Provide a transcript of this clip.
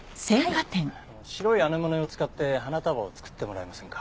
白いアネモネを使って花束を作ってもらえませんか？